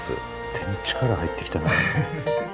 手に力入ってきたな。